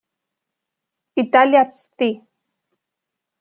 Italia Sci.